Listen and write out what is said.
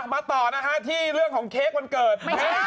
มาต่อนะฮะที่เรื่องของเค้กวันเกิด